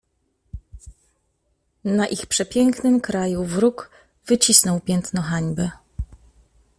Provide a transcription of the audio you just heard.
"Na ich przepięknym kraju wróg wycisnął piętno hańby."